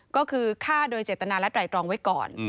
ก็คือฆ่าโดยเจตนาและไตรตรองไว้ก่อน